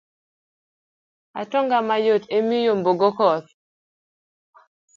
Atonga mayot emiyombogo koth.